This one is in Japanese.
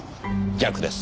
逆です。